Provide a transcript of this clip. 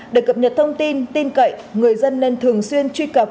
để cập nhật thông tin tin cậy người dân nên thường xuyên truy cập